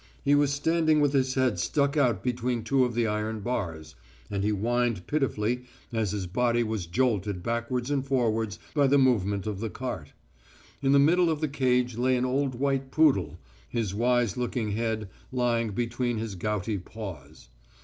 He was standing with his head stuck out between two of the iron bars, and he whined pitifully as his body was jolted backwards and forwards by the movement of the cart. In the middle of the cage lay an old white poodle, his wise looking head lying between his gouty paws.